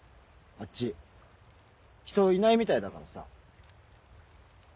あっち人いないみたいだからさ。